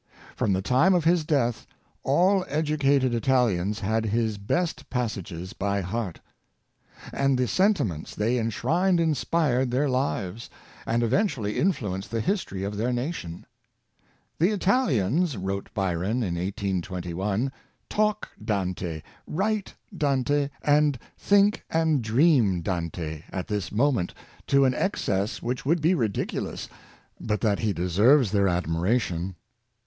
From the time of his death all educated Italians had his best pas sages by heart; and the sentiments they enshrined in spired their lives, and eventually influenced the history of their nation. " The Italians," wrote Byron in 1821, " talk Dante, write Dante, and think and dream Dante, at this moment, to an excess which would be ridiculous, but that he deserves their admiration."